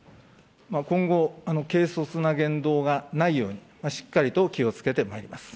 今後、軽率な言動がないように、しっかりと気をつけてまいります。